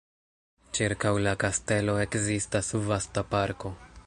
Ĉirkaŭ la kastelo ekzistas vasta parko.